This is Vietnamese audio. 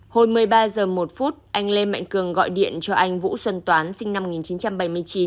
hồi một mươi ba h một anh lê mạnh cường gọi điện cho anh vũ xuân toán sinh năm một nghìn chín trăm bảy mươi chín